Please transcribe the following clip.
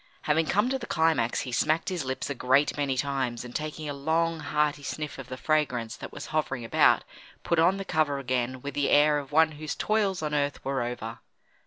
Having come to the climax, he smacked his lips a great many times, and taking a long, hearty sniff of the fragrance that was hovering about, put on the cover again with the air of one whose toils on earth were over.